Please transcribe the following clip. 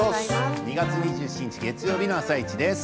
２月２７日月曜日の「あさイチ」です。